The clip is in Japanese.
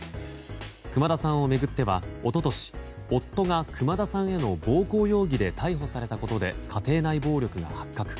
熊田さんを巡っては、一昨年夫が熊田さんへの暴行容疑で逮捕されたことで家庭内暴力が発覚。